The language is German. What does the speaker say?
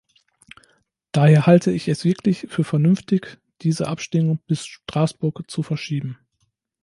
Daher halte ich es wirklich für vernünftig, diese Abstimmung bis Straßburg zu verschieben.